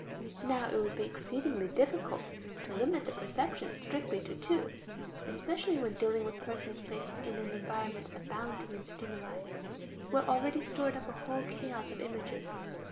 Now it would be exceedingly difficult to limit the perceptions strictly to two, especially when dealing with persons placed in an environment abounding in stimuli, who have already stored up a whole chaos of images.